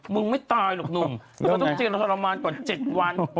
ไม่ตายหรอกหนุ่มเราต้องเจอทรมานก่อน๗วัน